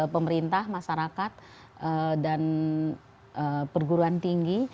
pemerintah masyarakat dan perguruan tinggi